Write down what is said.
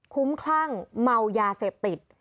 คุ้มคลั่งเมายาเสพติด